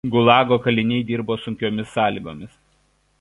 Gulago kaliniai dirbo sunkiomis sąlygomis.